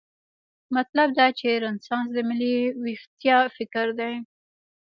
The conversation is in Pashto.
مطلب دا چې رنسانس د ملي ویښتیا فکر دی.